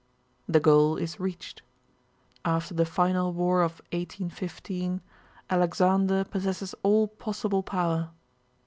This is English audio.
The goal is reached. After the final war of 1815 Alexander possesses all possible power.